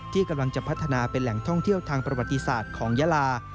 ที่กำลังจะพัฒนาเป็นแหล่งท่องเที่ยวทางประวัติศาสตร์ของยาลา